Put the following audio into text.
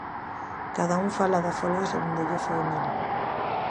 Cada un fala da folga segundo lle foi nela.